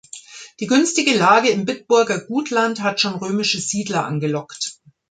Die günstige Lage im Bitburger Gutland hat schon römische Siedler angelockt.